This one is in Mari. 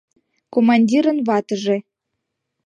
КОМАНДИРЫН ВАТЫЖЕ